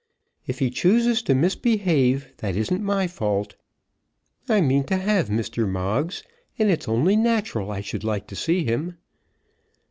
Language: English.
"If he chooses to misbehave, that isn't my fault. I mean to have Mr. Moggs, and it's only natural I should like to see him."